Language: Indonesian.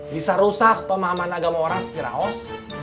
bisa rusak pemahaman agama orang kiraos